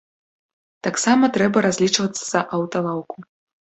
Таксама трэба разлічвацца за аўталаўку.